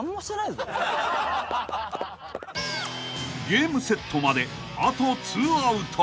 ［ゲームセットまであと２アウト］